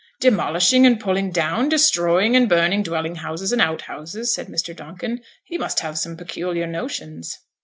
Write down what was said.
'Demolishing and pulling down, destroying and burning dwelling houses and outhouses,' said Mr. Donkin. 'He must have some peculiar notions.'